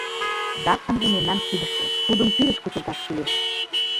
Жап ынде мемнан кидыште, тудым тӱрыс кучылташ кӱлеш.